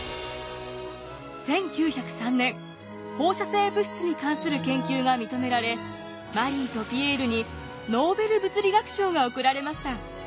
１９０３年放射性物質に関する研究が認められマリーとピエールにノーベル物理学賞が贈られました。